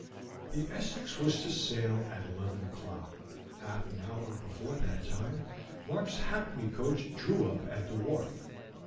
The Essex was to sail at eleven o'clock. Half an hour before that time Mark's hackney coach drew up at the wharf.